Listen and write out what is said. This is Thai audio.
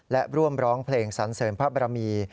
และร่วมร้องเพลงสันเสริมพระบรมี